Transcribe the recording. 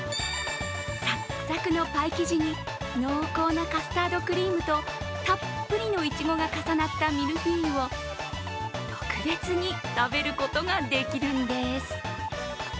サクサクのパイ生地に濃厚なカスタードクリームとたっぷりのいちごが重なったミルフィーユを特別に食べることができるんです。